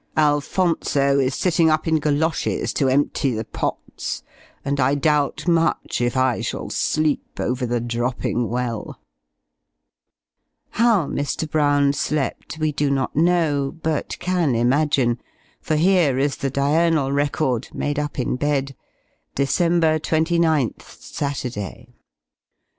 Alphonso is sitting up in goloshes to empty the pots, and I doubt much if I shall sleep over the dropping well." How Mr. Brown slept we do not know, but can imagine, for here is the Diurnal Record, made up in bed: "December 29_th_, Saturday.